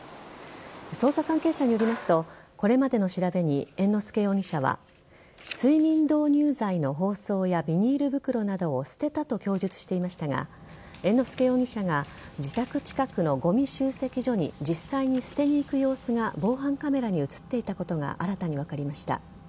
捜査関係者によりますとこれまでの調べに猿之助容疑者は睡眠導入剤の包装やビニール袋などを捨てたと供述していましたが猿之助容疑者が自宅近くのごみ集積所に実際に捨てに行く様子が防犯カメラに映っていたことが新たに分かりました。